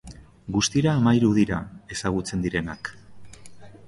Guztira hamahiru dira ezagutzen direnak.